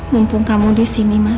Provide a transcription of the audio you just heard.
mumpung kamu disini mas